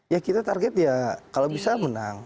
ya kita target ya kalau bisa menang